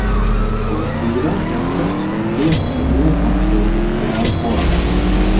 Кога си играат, децата честопати го повторуваат она што го доживеале порано.